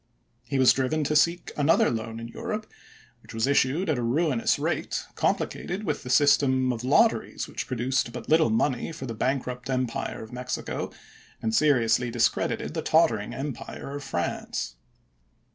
He was driven to seek another loan in Europe, which was issued at a ruinous rate, compli cated with the system of lotteries which produced MAXIMILIAN 419 but little money for the bankrupt empire of Mexico chap. xiv. and seriously discredited the tottering empire of sp(r£jj°f France.